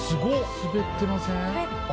滑ってません？